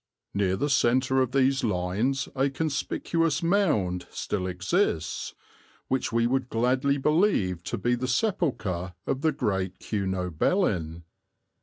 "... Near the centre of these lines a conspicuous mound still exists, which we would gladly believe to be the sepulchre of the great Cunobelin.